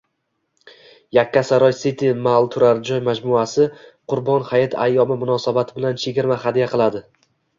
Yakkasaroy City Mall turar-joy majmuasi Qurbon Hayit ayyomi munosabati bilan chegirma hadya qiladi